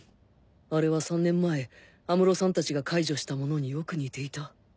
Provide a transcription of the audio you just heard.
あれは３年前安室さんたちが解除したものによく似ていた